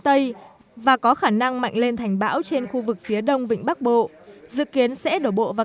tây và có khả năng mạnh lên thành bão trên khu vực phía đông vịnh bắc bộ dự kiến sẽ đổ bộ vào